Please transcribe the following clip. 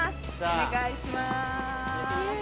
お願いします。